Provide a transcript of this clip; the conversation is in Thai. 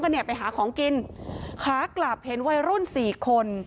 เนี่ยไปหาของกินขากลับเห็นวัยรุ่นสี่คน